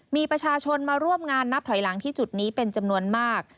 มีประชาชนมาร่วมงานนับถอยหลังที่จุดนี้เป็นจำนวนมาก